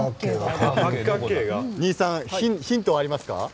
新居さんヒントはありますか？